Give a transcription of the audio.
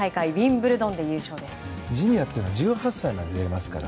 ジュニアの四大大会１８歳まで出れますから。